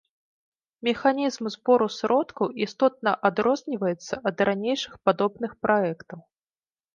Механізм збору сродкаў істотна адрозніваецца ад ранейшых падобных праектаў.